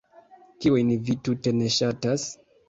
Kiujn vi tute ne ŝatas?